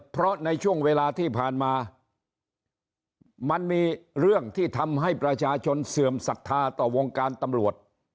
เพราะในช่วงเวลาที่ผ่านมามันมีเรื่องที่ทำให้ประชาชนเสื่อมศรัทธาต่อวงการตำรวจ